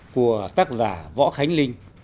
của tác giả võ khánh linh